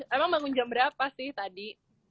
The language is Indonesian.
emang bangun jam berapa sih tadi